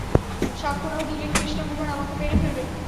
সাক্ষ্য না দিলে কৃষ্ণা কুমার আমাকে মেরে ফেলবে।